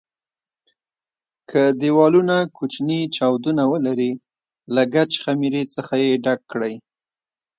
که دېوالونه کوچني چاودونه ولري له ګچ خمېرې څخه یې ډک کړئ.